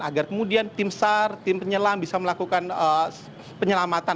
agar kemudian tim sar tim penyelam bisa melakukan penyelamatan